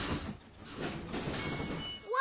うわ！